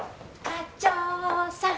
課長さん！